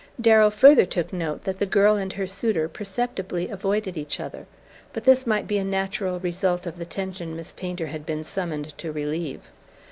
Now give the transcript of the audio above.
Darrow further took note that the girl and her suitor perceptibly avoided each other; but this might be a natural result of the tension Miss Painter had been summoned to relieve.